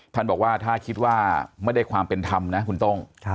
ท่านบอกว่าถ้าคิดว่าไม่ได้ความเป็นธรรมนะคุณต้อง